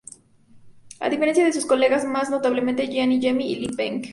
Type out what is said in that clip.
A diferencia de sus colegas, más notablemente Jiang Zemin y Li Peng.